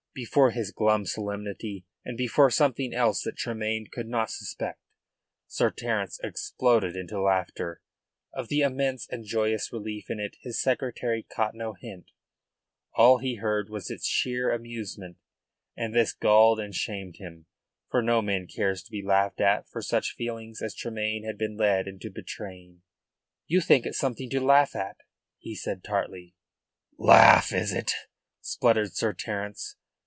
Before his glum solemnity, and before something else that Tremayne could not suspect, Sir Terence exploded into laughter. Of the immense and joyous relief in it his secretary caught no hint; all he heard was its sheer amusement, and this galled and shamed him. For no man cares to be laughed at for such feelings as Tremayne had been led into betraying. "You think it something to laugh at?" he said tartly. "Laugh, is it?" spluttered Sir Terence.